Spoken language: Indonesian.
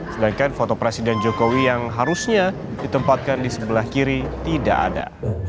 sedangkan foto presiden jokowi yang harusnya ditempatkan di sebelah kiri tidak ada